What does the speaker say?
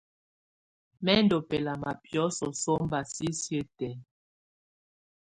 Mɛ ndù bɛlama biɔ́sɔ̀ sɔmba sisiǝ́ tɛ̀á.